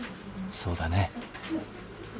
そうだね。